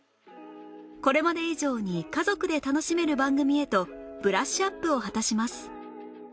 これまで以上に家族で楽しめる番組へとブラッシュアップを果たします